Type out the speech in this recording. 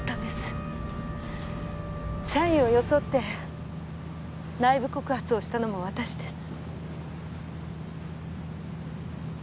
社員を装って内部告発をしたのも私です。